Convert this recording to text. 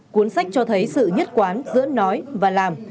cuốn sách cho thấy sự nhất quán giữa nói và làm